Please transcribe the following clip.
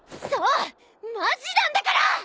そうマジなんだから！